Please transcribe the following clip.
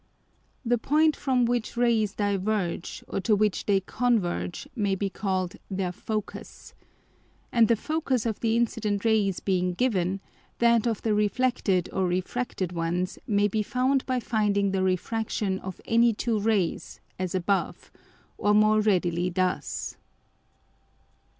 _ The Point from which Rays diverge or to which they converge may be called their Focus. And the Focus of the incident Rays being given, that of the reflected or refracted ones may be found by finding the Refraction of any two Rays, as above; or more readily thus.